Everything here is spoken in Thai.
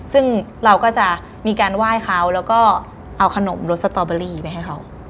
ซึ่งเราก็จะมีการไหว้เขาแล้วก็เอาขนมรสสตอเบอรี่ไปให้เขา